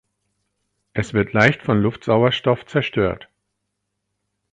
Es wird leicht von Luftsauerstoff zerstört.